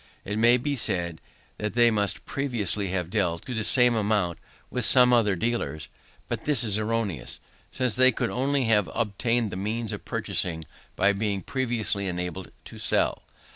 It may be said that they must previously have dealt, to the same amount, with some other dealers; but this is erroneous, since they could only have obtained the means of purchasing by being previously enabled to sell.